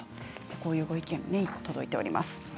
こういうご意見も届いております。